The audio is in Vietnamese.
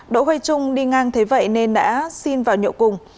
đỗ huy trung đi ngang thế vậy nên đã xin vào nhậu cùng